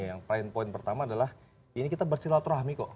yang prime point pertama adalah ini kita bersilaturahmi kok